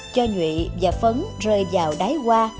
cho nhụy và phấn rơi vào đáy qua